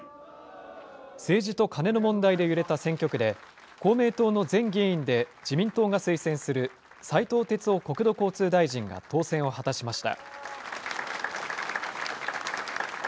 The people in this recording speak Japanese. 政治とカネの問題で揺れた選挙区で、公明党の前議員で自民党が推薦する斉藤鉄夫国土交通大臣が当選を果たしました。